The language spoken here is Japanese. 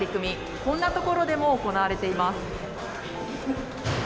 こんなところでも行われています。